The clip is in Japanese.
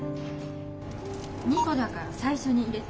２個だから最初に入れて。